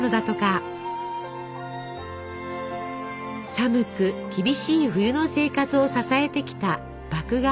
寒く厳しい冬の生活を支えてきた麦芽あめ。